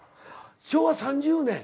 昭和３０年。